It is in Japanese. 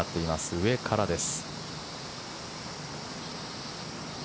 上からです。